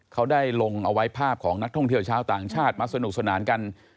เขาได้ลงเอาไว้ภาพของนักท่องเที่ยวชาวต่างชาติมาสนุกสนานกัน